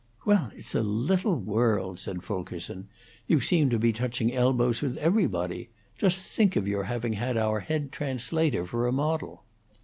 "Well, it's a little world," said Fulkerson. "You seem to be touching elbows with everybody. Just think of your having had our head translator for a model."